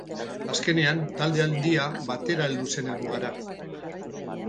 Azkenean, talde handia batera heldu zen helmugara.